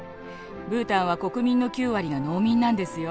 ブータンは国民の９割が農民なんですよ。